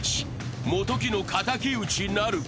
元木の敵討ちなるか。